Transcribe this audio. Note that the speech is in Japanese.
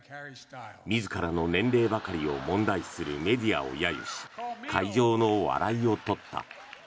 自らの年齢ばかりを問題視するメディアを揶揄し会場の笑いを取った。